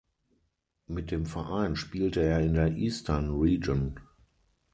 Mit dem Verein spielte er in der Eastern Region.